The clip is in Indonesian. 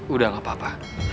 udah gak apa apa